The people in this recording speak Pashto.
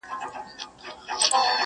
کلک په عزم داسي اومېدونه پښتانه لرم,